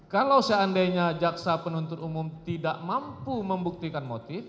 kalau seandainya jaksa penuntut umum tidak mampu membuktikan motif